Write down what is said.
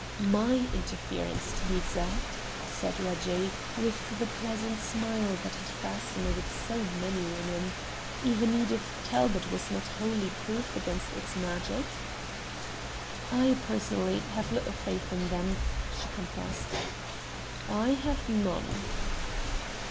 "My interference, to be exact," said Reggie, with the pleasant smile that had fascinated so many women. Even Edith Talbot was not wholly proof against its magic. "I, personally, have little faith in them," she confessed. "I have none."